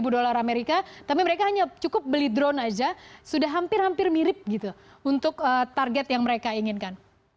dolar amerika tapi mereka hanya cukup beli drone saja sudah hampir hampir mirip gitu untuk target yang mereka inginkan